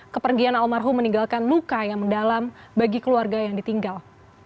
kepergian almarhum meninggalkan luka yang mendalam bagi keluarga yang ditinggal